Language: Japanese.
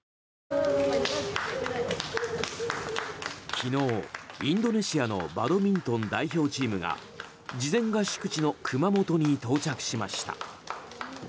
昨日、インドネシアのバドミントン代表チームが事前合宿地の熊本に到着しました。